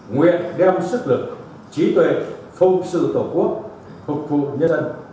nguyện đem sức lực trí tuệ không sự tổ quốc phục vụ nhân dân